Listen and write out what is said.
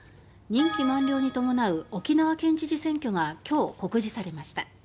任期満了に伴う沖縄県知事選挙が今日、告示されました。